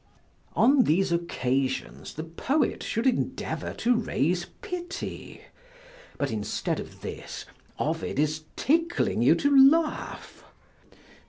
On these occasions the poet should endeavor to raise pity; but instead of this, Ovid is tickling you to laugh.